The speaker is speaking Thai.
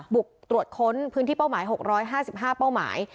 บุกตรวจค้นพื้นที่เป้าหมาย๖๕๕เป้าหมาย